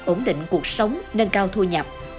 ổn định cuộc sống nâng cao thu nhập